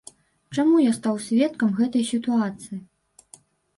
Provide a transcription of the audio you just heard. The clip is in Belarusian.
Чаму я стаў сведкам гэтай сітуацыі?